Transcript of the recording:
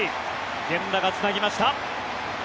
源田がつなぎました。